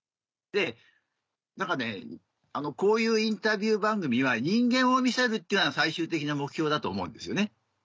で何かねこういうインタビュー番組は人間を見せるっていうのは最終的な目標だと思うんですよね。